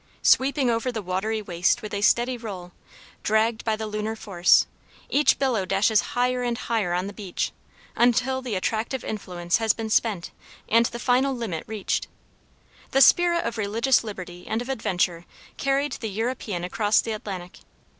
Sweeping over the watery waste with a steady roll, dragged by the lunar force, each billow dashes higher and higher on the beach, until the attractive influence has been spent and the final limit reached. The spirit of religious liberty and of adventure carried the European across the Atlantic.